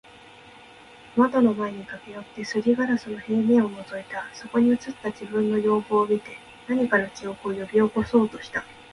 ……窓の前に駈け寄って、磨硝子の平面を覗いた。そこに映った自分の容貌を見て、何かの記憶を喚び起そうとした。